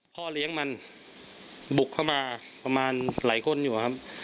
พ่อเลี้ยงมันบุกเข้ามาประมาณหลายคนอยู่ครับ